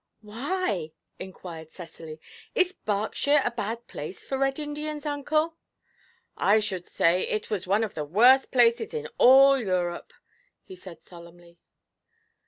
'Why?' inquired Cecily. 'Is Berkshire a bad place for Red Indians, uncle?' 'I should say it was one of the worst places in all Europe!' he said solemnly.